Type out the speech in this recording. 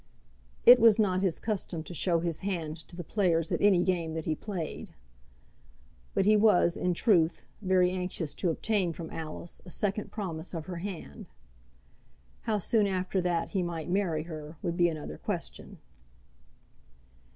It was not his custom to show his hand to the players at any game that he played. But he was, in truth, very anxious to obtain from Alice a second promise of her hand. How soon after that he might marry her, would be another question.